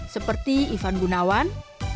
seperti ivan gunawan